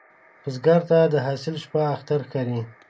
بزګر ته د حاصل شپه اختر ښکاري